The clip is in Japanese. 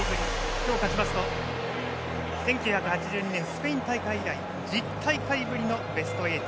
今日、勝ちますと１９８２年スペイン大会以来１０大会ぶりのベスト８。